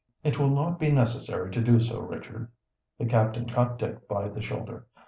"It will not be necessary to do so, Richard." The captain caught Dick by the shoulder.